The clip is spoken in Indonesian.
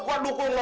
gua dukun lo